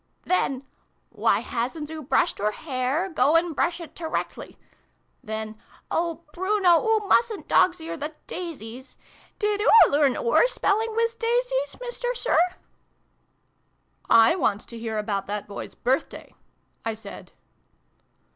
Then ' Why hasn't oo brushed oor hair ? Go and brush it toreckly !' Then ' Oh, Bruno, oo mustn't dog's ear the daisies !' Did oo learn oor spelling wiz daisies, Mister Sir ?"" I want to hear about that Boy's Birthday'' I said.